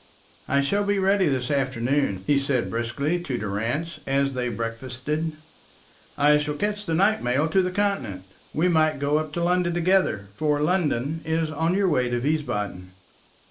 "I shall be ready this afternoon," he said briskly to Durrance as they breakfasted. "I shall catch the night mail to the Continent. We might go up to London together; for London is on your way to Wiesbaden."